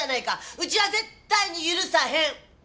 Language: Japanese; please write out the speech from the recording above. うちは絶対に許さへん。